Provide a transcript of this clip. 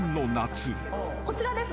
・こちらです。